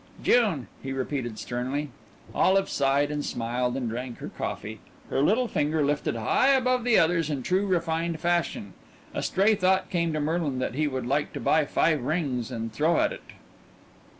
"June," he repeated sternly. Olive sighed and smiled and drank her coffee, her little finger lifted high above the others in true refined fashion. A stray thought came to Merlin that he would like to buy five rings and throw at it.